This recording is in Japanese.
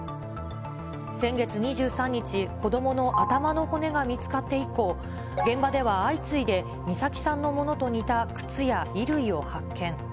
先月２３日、子どもの頭の骨が見つかって以降、現場では相次いで、美咲さんのものと似た靴や衣類を発見。